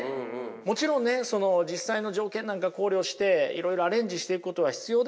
もちろんねその実際の条件なんか考慮していろいろアレンジしていくことは必要でしょう。